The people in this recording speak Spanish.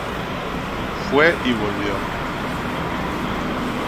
Fue y volvió.